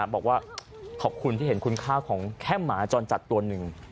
บอกว่าขอบคุณที่เห็นคุณค่าของแค่หมาจรจัดตัวหนึ่ง